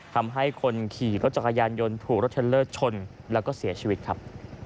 ทำให้คนขี่รถจักรยานยนต์ถูกรถเทลเลอร์ชนแล้วก็เสียชีวิตครับ